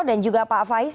dan juga pak faiz